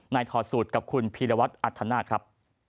ถอดสูตรกับคุณพีรวัตรอัธนาคครับ